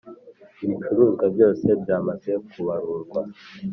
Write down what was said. Ibicuruzwa byose byamaze kubarurwa